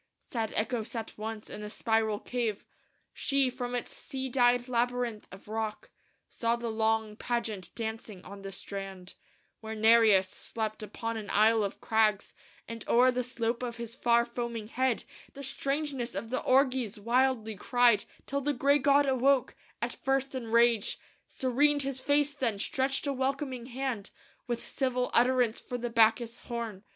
"Sad Echo sat once in a spiral cave; She, from its sea dyed labyrinth of rock, Saw the long pageant dancing on the strand, Where Nereus slept upon an isle of crags, And o'er the slope of his far foaming head The strangeness of the orgies wildly cried, Till the gray god awoke, at first in rage; Serened his face then; stretched a welcoming hand With civil utterance for the Bacchus horn.